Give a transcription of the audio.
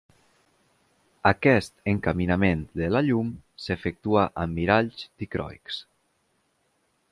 Aquest encaminament de la llum s'efectua amb miralls dicroics.